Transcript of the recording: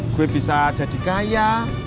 gue bisa jadi kaya